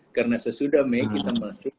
karena sesudah mei kita masuk